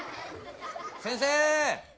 先生！